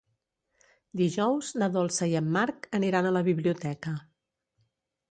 Dijous na Dolça i en Marc aniran a la biblioteca.